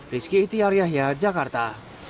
rizky itiar yahya jakarta